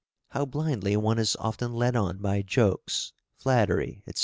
How blindly one is often led on by jokes, flattery, &c.